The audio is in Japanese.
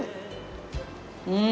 うん。